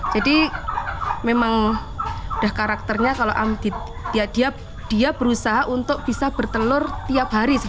jadi memang sudah karakternya kalau dia berusaha untuk bisa bertelur tiap hari